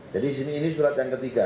jadi ini surat yang ketiga